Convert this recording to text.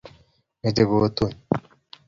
Mechei kotun